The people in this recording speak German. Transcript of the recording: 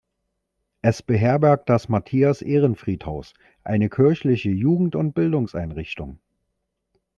Es beherbergt das Matthias-Ehrenfried-Haus, eine kirchliche Jugend- und Bildungseinrichtung.